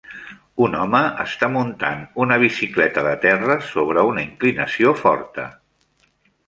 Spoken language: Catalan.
Un home està muntant una bicicleta de terra sobre una inclinació forta.